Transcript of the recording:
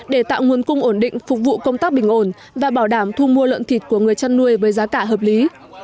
để tạo nguồn cung ổn định phục vụ công tác bình ổn và bảo đảm thu mua lợn thịt của người chăn nuôi với giá cả hợp lý